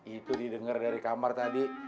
itu didengar dari kamar tadi